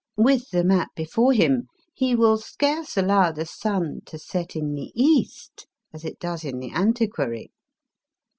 With the map before him, he will scarce allow the sun to set in the east, as it does in * The Antiquary.